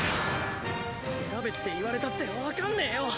選べって言われたってわかんねえよ。